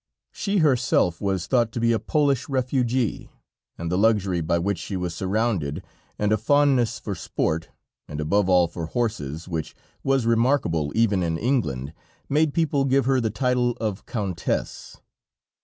She herself was thought to be a Polish refugee, and the luxury by which she was surrounded, and a fondness for sport, and above all for horses, which was remarkable even in England, made people give her the title of Countess.